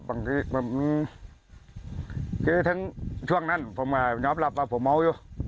บางทีคือถึงช่วงนั้นผมน้ำหลับผมเมาอยู่